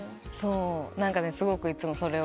すごくいつもそれを。